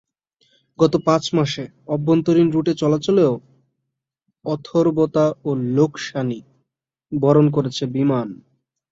গত পাঁচ মাসে অভ্যন্তরীণ রুটের চলাচলেও অথর্বতা ও লোকসানি বরণ করেছে বিমান।